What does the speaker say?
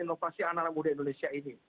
inovasi anak anak muda indonesia ini